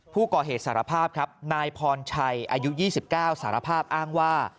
ผู้ก่อเหตุสารภาพครับนายพรชัยอายุ๒๙สารภาพอ้างว่า